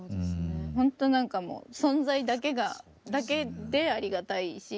ほんとなんかもう存在だけでありがたいし